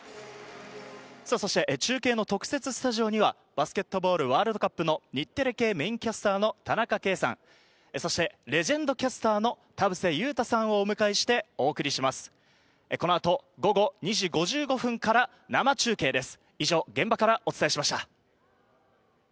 さぁ、そして中継の特設スタジオにはバスケットボールワールドカップの日テレ系メインキャスターの田中圭さん、そしてレジェンドキャスターの田臥勇太さんをお迎えしてお送りし中国で大規模な炭鉱事故です。